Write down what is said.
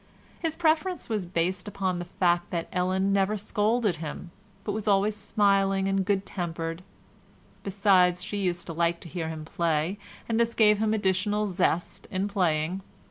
His preference was based upon the fact that Ellen never scolded him, but was always smiling and good tempered; besides she used to like to hear him play, and this gave him additional zest in playing.